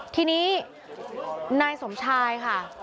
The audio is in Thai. ทีนี้นายสมชายค่ะ